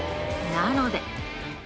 なので。